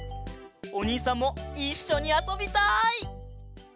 おにいさんもいっしょにあそびたい！